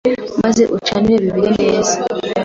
maze ucanire bibire neza